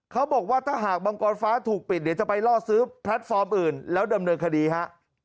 เขาบอกว่าถ้าหากมังกรฟ้าถูกปิดเดี๋ยวจะไปล่อซื้อแพลตฟอร์มอื่นแล้วดำเนินคดีฮะ